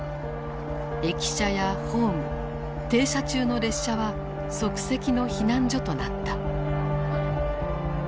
駅舎やホーム停車中の列車は即席の避難所となった。